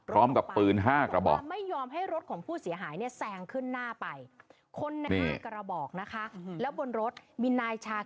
พร้อมกับปืน๕กระบอก